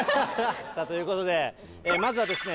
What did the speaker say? さぁということでまずはですね